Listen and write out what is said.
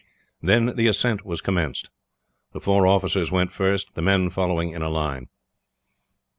Then the ascent was commenced. The four officers went first, the men following in a line.